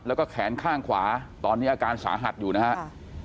แล้วก็แขนข้างขวาตอนนี้อาการสาหัสอยู่นะครับ